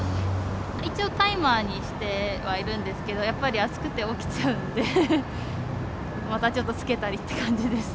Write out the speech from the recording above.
一応、タイマーにしてはいるんですけど、やっぱり暑くて起きちゃうんで、またちょっとつけたりっていう感じです。